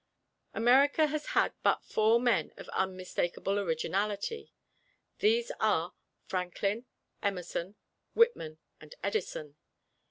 America has had but four men of unmistakable originality. These are: Franklin, Emerson, Whitman and Edison.